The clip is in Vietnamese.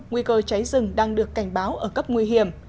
nguy cơ cháy rừng đang được cảnh báo ở cấp nguy hiểm